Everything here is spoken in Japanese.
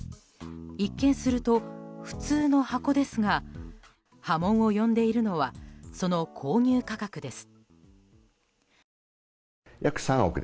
一見すると、普通の箱ですが波紋を呼んでいるのはその購入価格です。